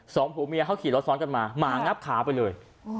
สองผัวเมียเขาขี่รถซ้อนกันมาหมางับขาไปเลย